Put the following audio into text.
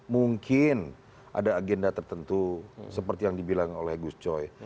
mungkin ada agenda tertentu seperti yang dibilang oleh gus coy